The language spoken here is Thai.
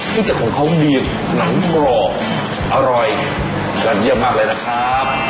จากของเขามีหนังกรอบอร่อยยอดเยี่ยมมากเลยนะครับ